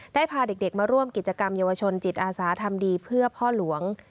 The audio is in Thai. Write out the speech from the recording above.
พาเด็กมาร่วมกิจกรรมเยาวชนจิตอาสาทำดีเพื่อพ่อหลวง